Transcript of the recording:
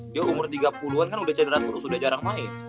dia umur tiga puluh an kan udah cedera terus sudah jarang main